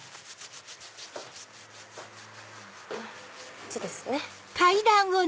こっちですね。